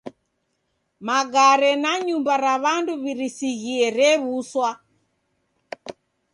Magare na nyumba ra w'andu w'irisighie rew'uswa.